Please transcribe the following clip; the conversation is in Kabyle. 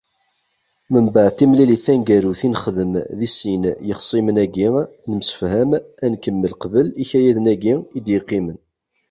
Mbeɛd timilit taneggarut i nexdem d sin yixsimen-agi, nemsefham ad nkemmel qbel ikayaden-agi i d-yeqqimen.